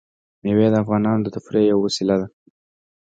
مېوې د افغانانو د تفریح یوه وسیله ده.